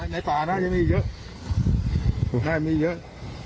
ในป่าน่ะยังมีเยอะ